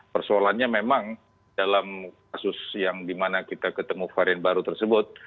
persoalannya memang dalam kasus yang dimana kita ketemu varian baru tersebut